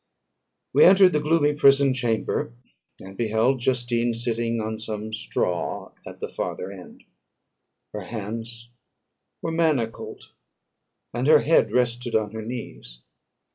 We entered the gloomy prison chamber, and beheld Justine sitting on some straw at the farther end; her hands were manacled, and her head rested on her knees.